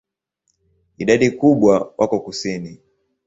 Idadi kubwa wako kusini.